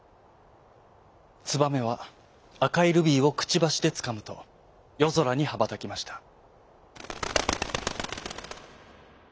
ツバメはあかいルビーをくちばしでつかむとよぞらにはばたきました。